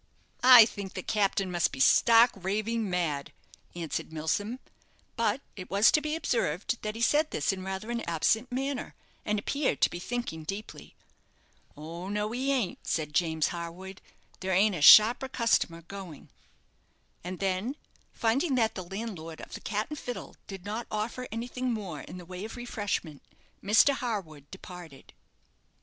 "I think the captain must be stark staring mad," answered Milsom; but it was to be observed that he said this in rather an absent manner, and appeared to be thinking deeply. "Oh no, he ain't," said James Harwood; "there ain't a sharper customer going." And then, finding that the landlord of the "Cat and Fiddle" did not offer anything more in the way of refreshment, Mr. Harwood departed.